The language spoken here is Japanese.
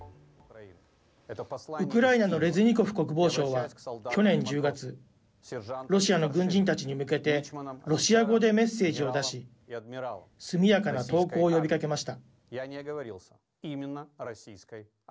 ウクライナのレズニコフ国防相は去年１０月ロシアの軍人たちに向けてロシア語でメッセージを出し速やかな投降を呼びかけました。